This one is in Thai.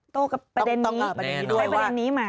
โต้กับประเด็นนี้ใช้ประเด็นนี้มา